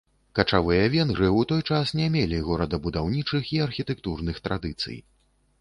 Качавыя венгры ў той час не мелі горадабудаўнічых і архітэктурных традыцый.